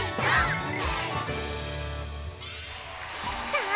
さあ